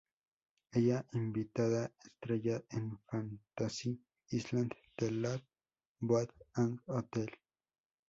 Ella invitada estrella en Fantasy Island, The Love Boat and Hotel.